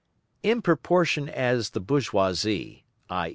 In proportion as the bourgeoisie, _i.